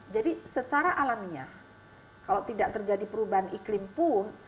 jadi secara alamiah kalau tidak terjadi perubahan iklim pun